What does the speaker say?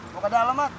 mau ke dalam mat